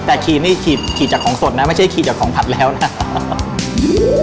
แต่ขี่นี่ขี่จากของสดนะไม่ใช่ขีดจากของผัดแล้วนะ